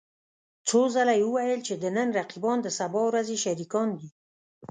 څو ځله يې وويل چې د نن رقيبان د سبا ورځې شريکان دي.